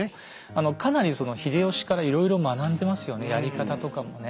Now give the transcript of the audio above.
あのかなりその秀吉からいろいろ学んでますよねやり方とかもね。